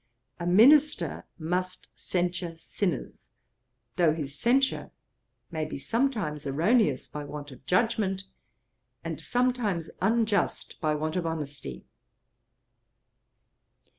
A minister must censure sinners, though his censure may be sometimes erroneous by want of judgement, and sometimes unjust by want of honesty.